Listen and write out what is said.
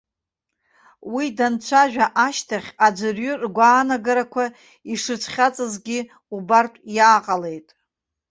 Уи данцәажәа ашьҭахь аӡәырҩы ргәаанагарақәа ишрыцәхьаҵызгьы убартә иааҟалеит.